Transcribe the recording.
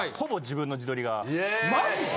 マジで！？